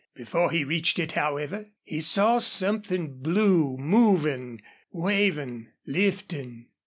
Before he reached it, however, he saw something blue, moving, waving, lifting.